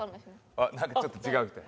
あっなんかちょっと違う人や。